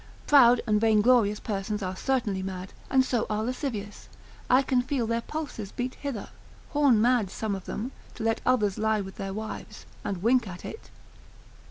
Proud and vainglorious persons are certainly mad; and so are lascivious; I can feel their pulses beat hither; horn mad some of them, to let others lie with their wives, and wink at it.